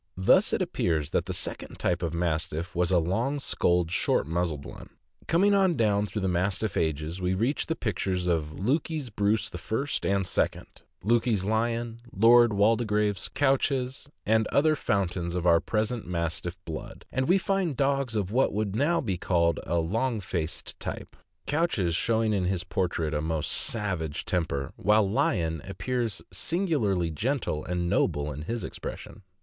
Thus it appears that the second type of Mastiff was a long skulled, short muzzled one. Coming on down through the Mastiff ages, we reach the pictures of Lukey's Bruce I. and II., Lukey's Lion, Lord Waldegrave's Couchez, and other fountains of our present Mastiff blood, and we find dogs of what wrould now be called a long faced type — Couchez showing in his portrait a most savage temper, while Lion appears singu larly gentle and noble in his expression.